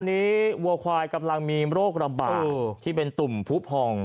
วันนี้วัวควายกำลังมีโรคระบาดที่เป็นตุ่มผู้พอง